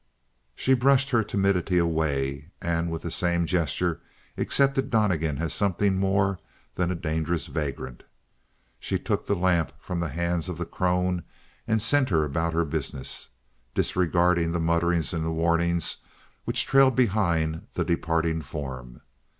She brushed her timidity away and with the same gesture accepted Donnegan as something more than a dangerous vagrant. She took the lamp from the hands of the crone and sent her about her business, disregarding the mutterings and the warnings which trailed behind the departing form.